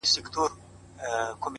مهرباني د سختو زړونو قلف ماتوي’